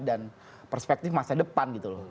dan perspektif masa depan gitu loh